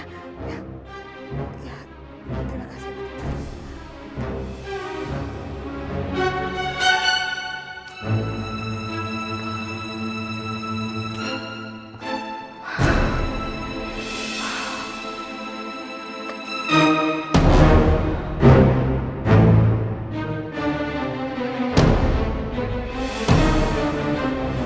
terima kasih pak